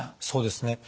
そうですね。